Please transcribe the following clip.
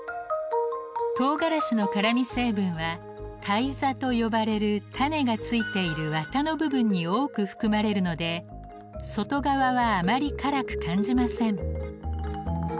とうがらしの辛み成分は胎座と呼ばれる種が付いているワタの部分に多く含まれるので外側はあまり辛く感じません。